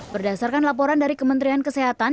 berdasarkan laporan dari kementerian kesehatan